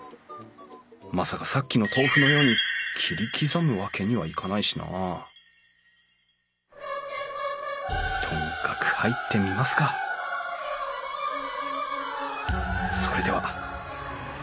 まさかさっきの豆腐のように切り刻むわけにはいかないしなとにかく入ってみますかそれでは。